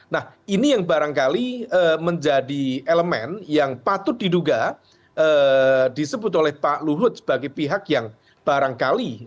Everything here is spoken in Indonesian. nah ini yang barangkali menjadi elemen yang patut diduga disebut oleh pak luhut sebagai pihak yang barangkali